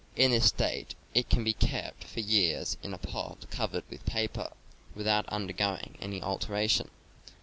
In this state it can be kept for years in a pot covered with paper, without undergoing any alteration.